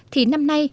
thì năm nay